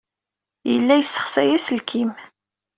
Yella yessexsay aselkim.